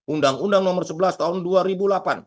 undang undang nomor sebelas tahun dua ribu delapan